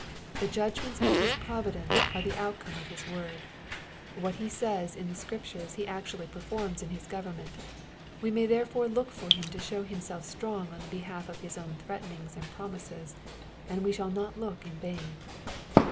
The judgments of his providence are the out come of his word ; what he says in the Scriptures ne actually performs in his government ; we may therefore look for him to show himself strong on the behalf of his own threatenings and promises, and we shall not look in vain.